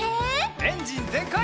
エンジンぜんかい！